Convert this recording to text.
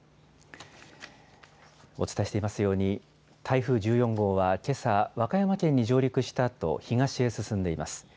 お伝えしていますように、台風１４号は、けさ和歌山県に上陸したあと、東へ進んでいます。